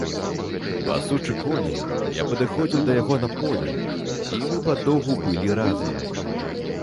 Пасучы коні, я падыходзіў да яго на полі, і мы падоўгу былі разам.